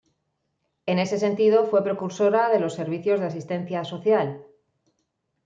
En ese sentido fue precursora de los servicios de asistencia social.